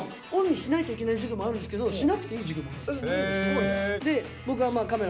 ＯＮにしないといけない授業もあるんですけどしなくていい授業もあるんです。